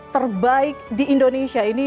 terbaik di indonesia